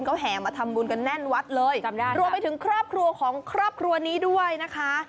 ก็แห่มาทำบุญกันแน่นวัดเลยจำได้รวมไปถึงครอบครัวของครอบครัวนี้ด้วยนะคะ